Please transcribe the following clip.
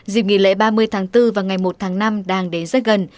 dịp nghỉ lễ ba mươi tháng bốn và ngày một tháng năm đang đến rất gần